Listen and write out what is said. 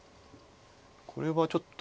これはちょっと。